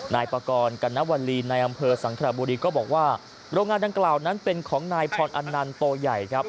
นายปากรกัณวลีในอำเภอสังขระบุรีก็บอกว่าโรงงานดังกล่าวนั้นเป็นของนายพรอันนันโตใหญ่ครับ